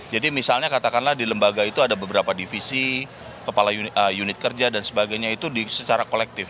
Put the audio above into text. jadi misalnya katakanlah di lembaga itu ada beberapa divisi kepala unit kerja dan sebagainya itu secara kolektif